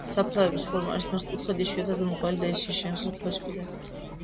საფლავების ფორმა არის მართკუთხედი, იშვიათად მრგვალი და ისინი შემოსაზღვრულია ქვის ფილებით.